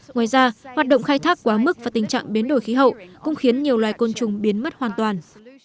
ngoài ra hoạt động khai thác quá mức và tình trạng biến đổi khí hậu cũng khiến nhiều loài côn trùng biến mất hoàn toàn